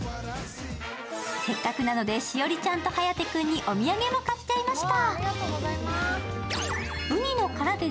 せっかくなので栞里ちゃんと颯君にお土産も買っちゃいました。